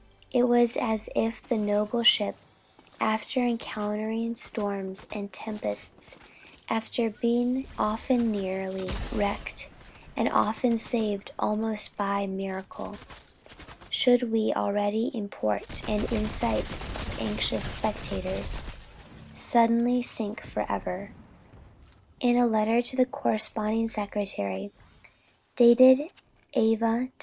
It was as if a noble ship after encountering storms and tempests, after being often nearly wrecked, and as often saved almost by miracle, should when already in port and in sight of anxious spectators, suddenly sink forever. In a letter to the corresponding secretary, dated Ava, Dec.